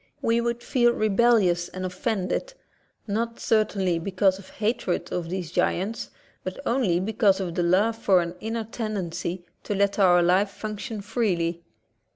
We would feel, rebellious and offended, not certainly because of hatred of these giants, but only because of the love for an inner tendency to let our life function freely.